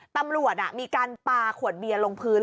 ตำรวจมีการปลาขวดเบียร์ลงพื้น